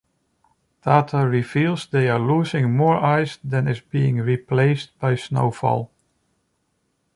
Data reveals they are losing more ice than is being replaced by snowfall.